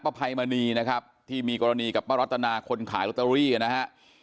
ภัยมณีนะครับที่มีกรณีกับป้ารัตนาคนขายลอตเตอรี่นะฮะ